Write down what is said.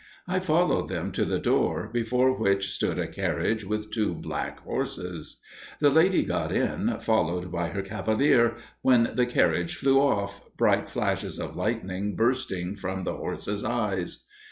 I followed them to the door, before which stood a carriage with two black horses. The lady got in, followed by her cavalier, when the carriage flew off, bright flashes of lightning bursting forth from the horses' eyes.